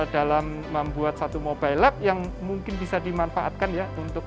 dalam membuat satu mobile lab yang mungkin bisa dimanfaatkan ya